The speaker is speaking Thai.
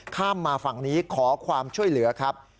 ข้ามมาฝั่งนี้ขอความช่วยเหลือครับ